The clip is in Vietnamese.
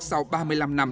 sau ba mươi năm năm